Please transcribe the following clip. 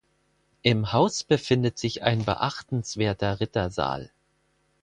Im Haus befindet sich ein beachtenswerter Rittersaal.